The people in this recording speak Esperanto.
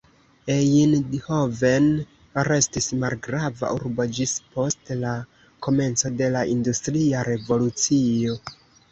Eindhoven restis malgrava urbo ĝis post la komenco de la industria revolucio.